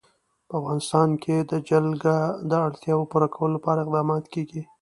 په افغانستان کې د جلګه د اړتیاوو پوره کولو لپاره اقدامات کېږي.